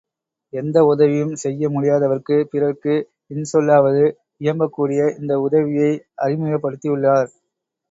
எந்த உதவியும் செய்ய முடியாதவர்க்கு, பிறர்க்கு இன் சொல்லாவது இயம்பக்கூடிய இந்த உதவியை அறிமுகப்படுத்தி யுள்ளார்.